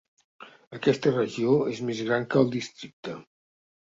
Aquesta regió és més gran que el districte.